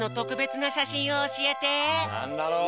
なんだろう？